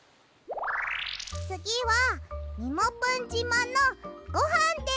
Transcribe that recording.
つぎはみもぷんじまのごはんです。